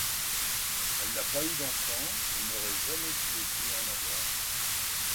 Elle n'a pas eu d'enfant et n'aurait jamais souhaité en avoir.